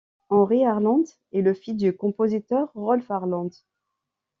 Henry Arland est le fils du compositeur Rolf Arland.